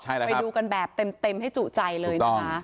ไปดูกันแบบเต็มให้จุใจเลยนะคะ